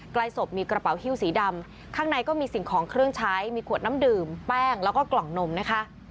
ใกล้ศพมีกระเป๋าฮิ้วสีดำข้างในก็มีสิ่งของเครื่องใช้มีขวดน้ำดื่มแป้งแล้วก็กล่องนมนะคะ